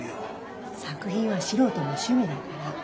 作品は素人の趣味だから。